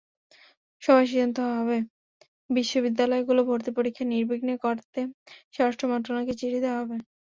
সভায় সিদ্ধান্ত হয়, বিশ্ববিদ্যালয়গুলোর ভর্তি পরীক্ষা নির্বিঘ্নে করতে স্বরাষ্ট্র মন্ত্রণালয়কে চিঠি দেওয়া হবে।